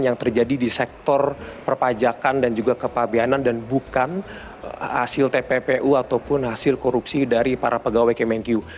yang terjadi di sektor perpajakan dan juga kepabianan dan bukan hasil tppu ataupun hasil korupsi dari para pegawai kemenkyu